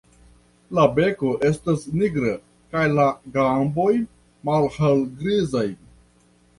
La beko estas nigra kaj la gamboj malhelgrizaj.